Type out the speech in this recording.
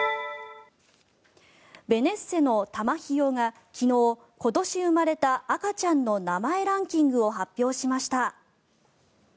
ベネッセのたまひよが昨日今年生まれた赤ちゃんの名前ランキングを発表しました。